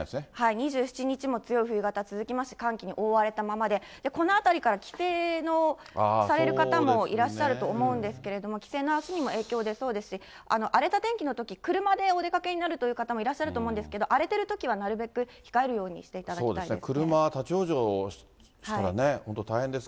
２７日も強い冬型続きますし、寒気に覆われたままで、このあたりから帰省をされる方もいらっしゃると思うんですけれども、帰省の足にも影響出そうですし、荒れた天気のとき、車でお出かけになるという方もいらっしゃると思うんですけど、荒れてるときはなるべく控えるようにしていただきたいですね。